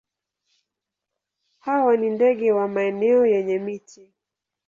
Hawa ni ndege wa maeneo yenye miti.